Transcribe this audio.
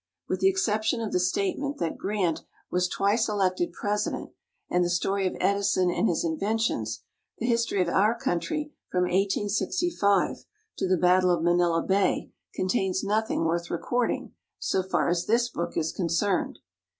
With the exception of the statement that Grant was twice elected president, and the story of Edison and his inventions, the history of our country from 1865 to the battle of Manila Bay contains nothing worth recording, so far as this book is concerned.